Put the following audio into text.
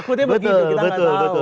kita gak tau